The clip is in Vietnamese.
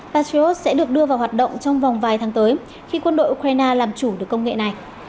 patriot sẽ được đưa vào hoạt động trong vòng vài tháng tới khi quân đội ukraine làm chủ được công nghệ này